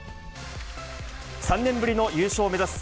３年ぶりの優勝を目指す、